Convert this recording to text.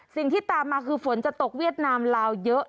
สิ่งที่ตามมาคือฝนจะตกเวียดนามลาวเยอะ